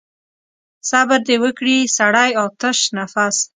صبر دې وکړي سړی آتش نفس.